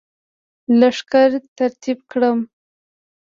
لښکر ترتیب کړم.